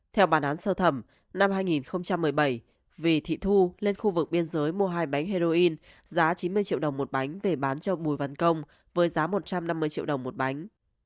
theo bản án sơ thẩm năm hai nghìn một mươi bảy vì thị thu lên khu vực biên giới mua hai bánh heroin giá chín mươi triệu đồng một bánh về bán cho bùi văn công với giá một trăm năm mươi triệu đồng một bánh